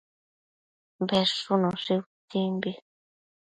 Bedshunoshi utsimbi